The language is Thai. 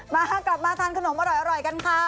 มากลับมาทานขนมอร่อยกันค่ะ